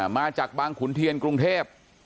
มาจากบางขุนเทียนกรุงเทพ